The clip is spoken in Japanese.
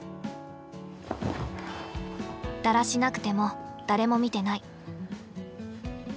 だらしなくても誰も見てない。